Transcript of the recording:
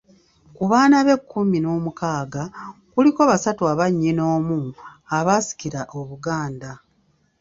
Ku baana be ekkumi n'omukaaga, kuliko basatu abannyinnoomu abaasikira Obuganda.